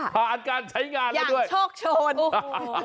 ผ่านการใช้งานมาด้วยอย่างโชคโชนโอ้โห